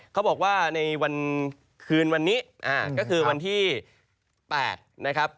เขาบอกว่าในวันต่างชนเหอใช้วันที่๘